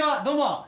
どうも！